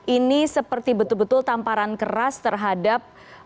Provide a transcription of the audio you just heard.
ini seperti betul betul tamparan keras terhadap